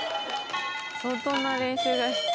相当な練習が必要な。